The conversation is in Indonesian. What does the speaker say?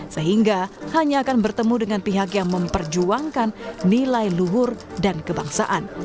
sehingga hanya akan bertemu dengan pihak yang memperjuangkan nilai luhur dan kebangsaan